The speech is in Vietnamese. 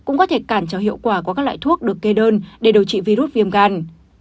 ngoại thuốc được kê đơn để điều trị virus viêm gan